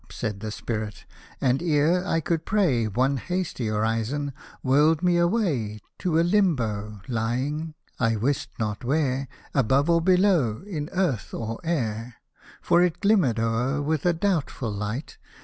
" said the Spirit, and, ere I could pray One hasty orison, whirled me away To a Limbo, lying — I wist not where — Above or below, in earth or air ; For it glimmered o'er with a doubtful light.